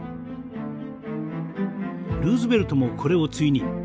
ルーズベルトもこれを追認。